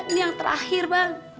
ini yang terakhir bang